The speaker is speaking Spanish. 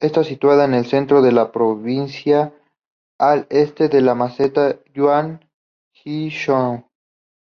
Está situada en el centro de la provincia, al este de la Meseta Yunnan-Guizhou.